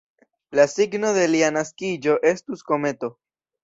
La signo de lia naskiĝo estus kometo.